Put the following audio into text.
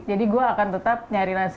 jadi gue akan tetap nyari nasi